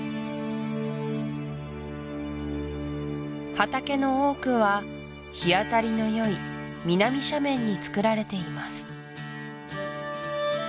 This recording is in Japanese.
畑の多くは日当たりのよい南斜面につくられています